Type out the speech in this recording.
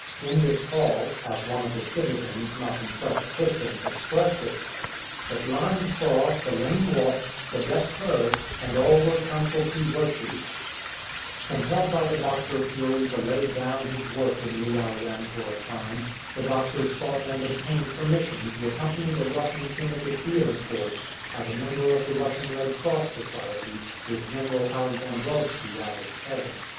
In this hall, as one of the citizens, not himself a Christian, expressed it, " the blind saw, the lame walked, the deaf heard ; and all were counselled to virtue." 91 IN FRONT OF LIAO YANG Compelled ])y the Boxer fury to lay clown his work in Liao yang for a time, the doctor sought and obtained permission to accompany the Russian punitive field force as a member of the Russian Red Cross Society with General Alexandrovski at its head.